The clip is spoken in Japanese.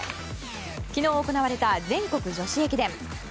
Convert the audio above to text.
昨日行われた全国女子駅伝。